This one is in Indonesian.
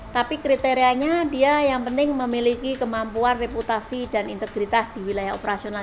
tapi kriterianya dia yang penting memiliki kemampuan reputasi dan integritas di wilayah operasional